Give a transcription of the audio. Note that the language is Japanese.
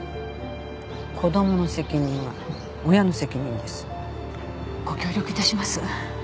子どもの責任は親の責任です。ご協力致します。